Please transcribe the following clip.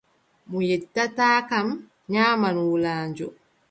Mo yettataa kam, nyaaman wulaajo.